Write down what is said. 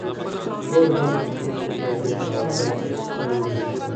یو دم په جومات کې حبیب حوالدار تر سوکانو لاندې کړ.